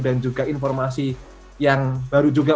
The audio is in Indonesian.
dan juga informasi yang baru juga